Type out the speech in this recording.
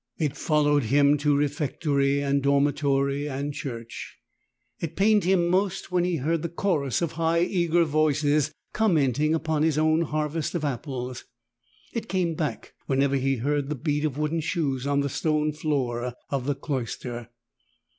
It followed him to refectory and dormitory and church. It pained him most when he heard the chorus of high eager voices commenting upon his own harvest of apples. It came back whenever he heard the beat of wooden shoes on the stone floor of the cloister.